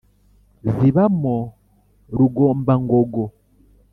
Zibamo Rugombangogo,